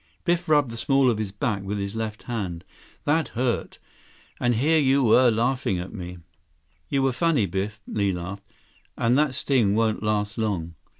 Biff rubbed the small of his back with his left hand. "That hurt. And here you are laughing at me." "You were funny, Biff," Li laughed. "And that sting won't last long."